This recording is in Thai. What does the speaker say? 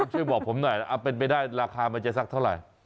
ช่วยบอกผมหน่อยเป็นไปได้ราคามันจะสักเท่าไหร่